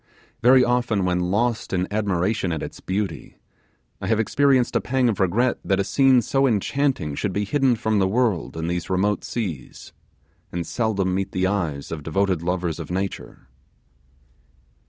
Very often when lost in admiration at its beauty, I have experienced a pang of regret that a scene so enchanting should be hidden from the world in these remote seas, and seldom meet the eyes of devoted lovers of nature.